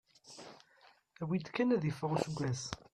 Awi-d kan ad iffeɣ useggas.